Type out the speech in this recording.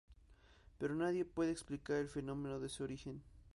Pero nadie puede explicar el fenómeno de su origen.